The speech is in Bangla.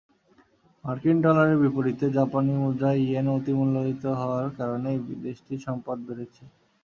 মার্কিন ডলারের বিপরীতে জাপানি মুদ্রা ইয়েন অতিমূল্যায়িত হওয়ার কারণেই দেশটির সম্পদ বেড়েছে।